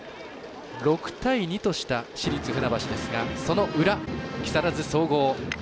６対２とした市立船橋ですがその裏、木更津総合。